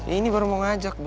ini baru mau ngajak bu